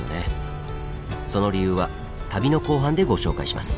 その理由は旅の後半でご紹介します。